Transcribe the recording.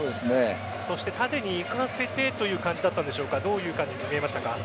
そして縦に行かせてという感じだったんでしょうかどういう感じに見えましたか？